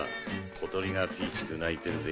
小鳥がピーチク鳴いてるぜ。